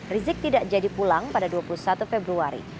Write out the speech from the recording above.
rizik tidak jadi pulang pada dua puluh satu februari